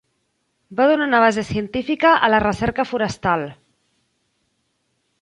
Va donar una base científica a la recerca forestal.